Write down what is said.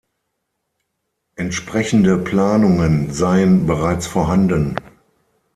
Entsprechende Planungen seien bereits vorhanden.